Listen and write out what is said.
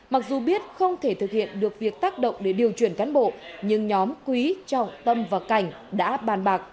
mặc dù biết không thể thực hiện được việc tác động để điều chuyển cán bộ nhưng nhóm quý trọng tâm và cảnh đã bàn bạc